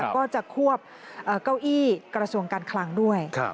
ก็จะควบเก้าอี้กระทรวงการคลังด้วย